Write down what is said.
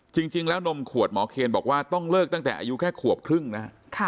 จริงแล้วนมขวดหมอเคนบอกว่าต้องเลิกตั้งแต่อายุแค่ขวบครึ่งนะฮะ